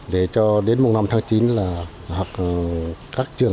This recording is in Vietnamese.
để cho đến mùng năm tháng chín là các trường